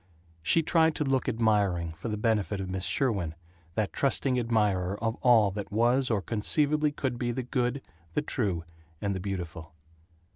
She tried to look admiring, for the benefit of Miss Sherwin, that trusting admirer of all that was or conceivably could be the good, the true, and the beautiful.